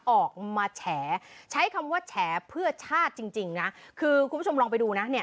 ออกมาแฉใช้คำว่าแฉเพื่อชาติจริงจริงนะคือคุณผู้ชมลองไปดูนะเนี่ย